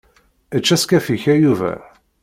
Ečč askaf-ik a Yuba.